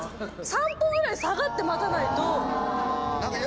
３歩ぐらい下がって待たないと。